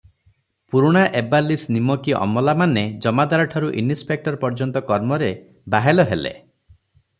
ପୁରୁଣା ଏବାଲିଶ ନିମକୀ ଅମଲାମାନେ ଜମାଦାରଠାରୁ ଇନସପେକ୍ଟର ପର୍ଯ୍ୟନ୍ତ କର୍ମରେ ବାହେଲ ହେଲେ ।